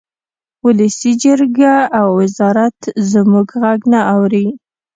ولسي جرګه او وزارت زموږ غږ نه اوري